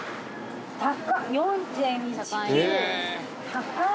高い！